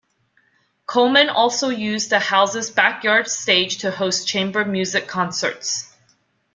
Coleman also used the house's backyard stage to host chamber music concerts.